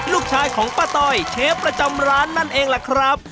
ลูกชายของป้าต้อยเชฟประจำร้านนั่นเองล่ะครับ